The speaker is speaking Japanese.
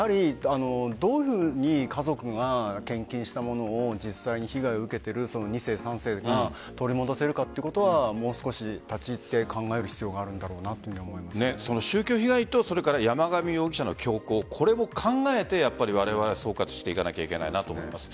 どういうふうに家族が献金したものを実際に被害を受けている２世、３世が取り戻せるかということはもう少し立ち入って宗教被害と山上容疑者の凶行これも考えて、われわれ総括していかなければいけないなと思います。